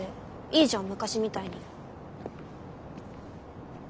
いいじゃん昔みたいに。